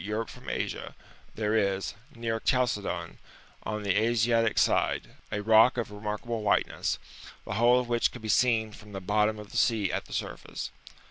Europe from Asia, there is, near Chalcedon, on the Asiatic side, a rock of remarkable whiteness, the whole of which can be seen from the bottom of the sea at the surface.